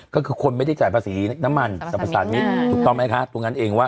ก็คือคนไม่ได้จ่ายภาษีน้ำมันสรรพสารมิตรถูกต้องไหมคะตรงนั้นเองว่า